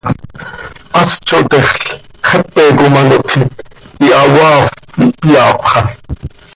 Hast zo htexl, xepe com ano htjiit, hihahoaafp ihpyaapxa.